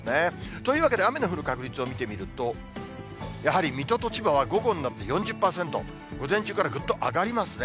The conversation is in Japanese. というわけで、雨の降る確率を見てみると、やはり水戸と千葉は午後になって４０％、午前中からぐっと上がりますね。